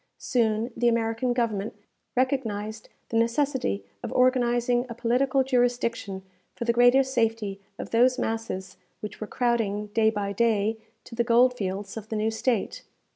Soon the American Government recognized the necessity of organizing a political jurisdiction for the greater safety of those masses which were crowding, day by day, to the gold fields of the new State.